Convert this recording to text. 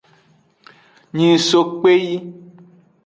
Nyin so kpeyi.